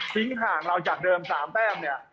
ห่างเราจากเดิม๓แต้มเนี่ย